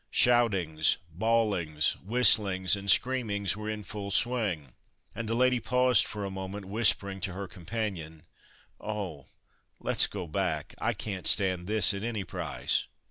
Shoutings, bawlings, whistlings, and screamings were in full swing, and the lady paused for a moment, whispering to her companion, "Oh, let's go back I can't stand this at any price."